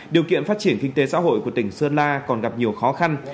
điều kiện phát triển kinh tế xã hội của tỉnh sơn la còn gặp nhiều khó khăn